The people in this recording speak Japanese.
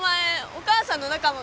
お母さんの仲間。